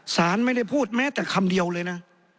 สารไม่ได้พูดแม้แต่คำเดียวเลยนะ